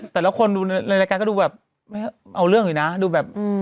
แต่ละคนดูในรายการก็ดูแบบไม่เอาเรื่องเลยนะดูแบบ